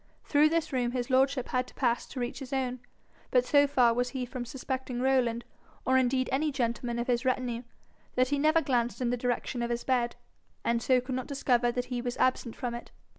Through this room his lordship had to pass to reach his own; but so far was he from suspecting Rowland, or indeed any gentleman of his retinue, that he never glanced in the direction of his bed, and so could not discover that he was absent from it.